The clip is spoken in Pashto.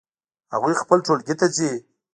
هغوی خپل ټولګی ته ځي